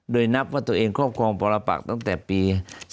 โดยนับว่าตัวเองครอบครองปรปักตั้งแต่ปี๒๕๖